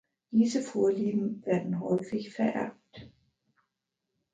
Diese Vorlieben werden häufig vererbt.